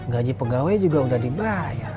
gaji pegawai juga sudah dibayar